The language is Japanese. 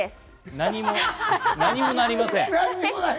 何もなりません。